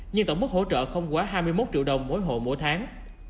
nhưng tổng mức hỗ trợ không quá hai mươi một triệu đồng mỗi hộ mỗi tháng